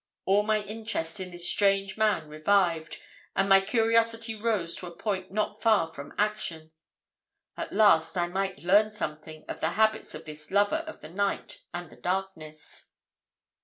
All my interest in this strange man revived, and my curiosity rose to a point not far from action. At last I might learn something of the habits of this lover of the night and the darkness.